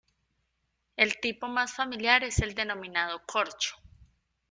El tipo más familiar es el denominado corcho.